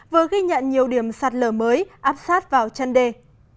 vừa ghi nhận nhiều điểm sạt lở mới áp sát vào chân đê